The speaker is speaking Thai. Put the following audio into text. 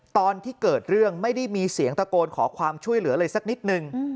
ตอนที่เกิดเรื่องไม่ได้มีเสียงตะโกนขอความช่วยเหลืออะไรสักนิดนึง